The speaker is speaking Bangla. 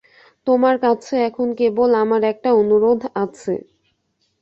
তোমার কাছে এখন কেবল আমার একটা অনুরোধ আছে।